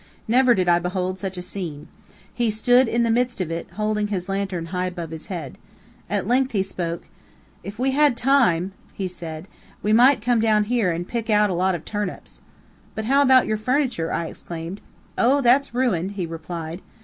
Never did I behold such a scene. He stood in the midst of it, holding his lantern high above his head. At length he spoke. "If we had time," he said, "we might come down here and pick out a lot of turnips." "But how about your furniture?" I exclaimed. "Oh, that's ruined!" he replied.